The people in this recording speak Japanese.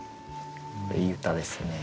これいい歌ですね。